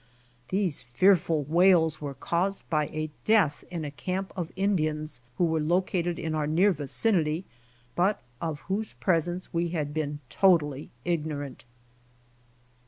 These fearful wails were caused by a death in a camp of Indians who were located in our near vicinity, but of whose presence we had been totally ignorant.